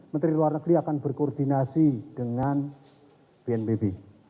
menteri luar negeri akan berkoordinasi dengan bnpb